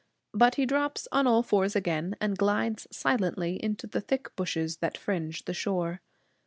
But he drops on all fours again, and glides silently into the thick bushes that fringe the shore.